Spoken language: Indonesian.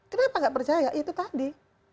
kenapa nggak percaya itu tadi